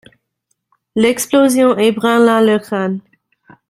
L'explosion ébranla leurs crânes.